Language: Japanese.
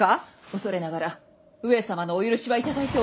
恐れながら上様のお許しは頂いており。